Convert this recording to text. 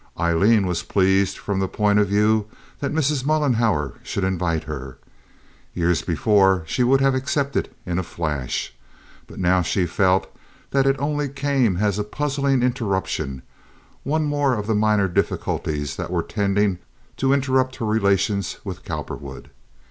Aileen was pleased from the point of view that Mrs. Mollenhauer should invite her. Years before she would have accepted in a flash. But now she felt that it only came as a puzzling interruption, one more of the minor difficulties that were tending to interrupt her relations with Cowperwood.